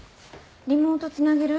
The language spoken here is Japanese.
リモートつなげる？